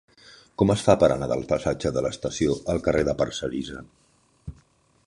Com es fa per anar del passatge de l'Estació al carrer de Parcerisa?